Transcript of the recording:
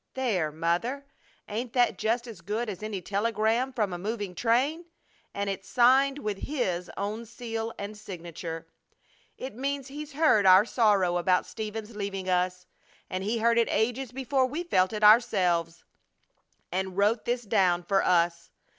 "There, Mother! Ain't that just as good as any telegram from a moving train? And it's signed with His own seal and signature! It means He's heard our sorrow about Stephen's leaving us, and He heard it ages before we felt it ourselves, and wrote this down for us!